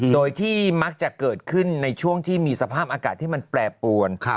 โดยที่มักจะเกิดขึ้นในช่วงที่มีสภาพอากาศที่มันแปรปวน